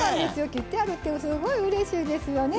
切ってあるってすごいうれしいですよね。